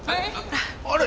あれ？